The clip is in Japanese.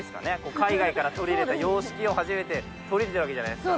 海外から取り入れた様式を初めて取り入れてるわけじゃないですか。